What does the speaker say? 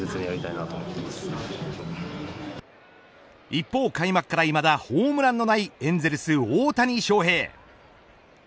一方、開幕からいまだホームランのないエンゼルス大谷翔平。